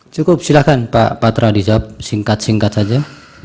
cukup silahkan pak patra dijawab singkat singkat saja